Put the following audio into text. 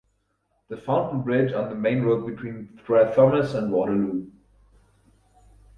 The 'Fountain Bridge' on the main road between Trethomas and Waterloo.